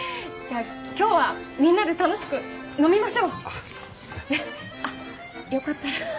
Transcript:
じゃあ今日はみんなで楽しく飲みましょう！あっよかったら。